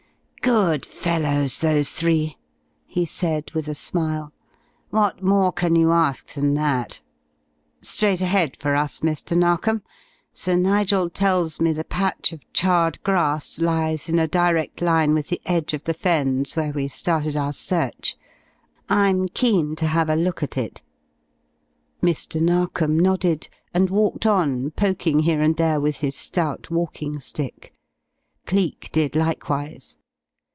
"Good fellows those three," he said with a smile. "What more can you ask than that? Straight ahead for us, Mr. Narkom. Sir Nigel tells me the patch of charred grass lies in a direct line with the edge of the Fens where we started our search. I'm keen to have a look at it." Mr. Narkom nodded, and walked on, poking here and there with his stout walking stick. Cleek did likewise.